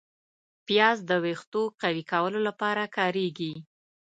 پیاز د ویښتو قوي کولو لپاره کارېږي